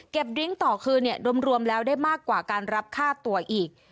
ดริ้งต่อคืนรวมแล้วได้มากกว่าการรับค่าตัวอีก